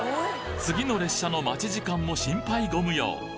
次の列車の待ち時間も心配ご無用。